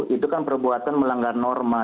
itu kan perbuatan melanggar norma